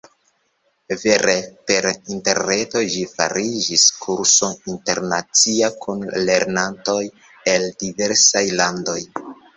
Vere, per interreto ĝi fariĝis kurso internacia kun lernantoj el diversaj landoj.